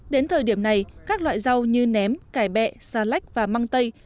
đến thời điểm này các loại rau như ném cải bẹ xà lách và măng tây